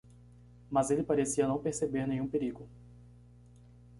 Mas ele parecia não perceber nenhum perigo.